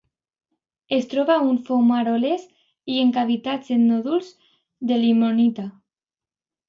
Es troba en fumaroles i en cavitats en nòduls de limonita.